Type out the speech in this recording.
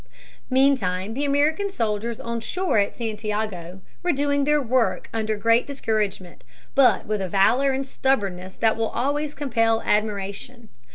Meantime the American soldiers on shore at Santiago were doing their work under great discouragement, but with a valor and stubbornness that will always compel admiration.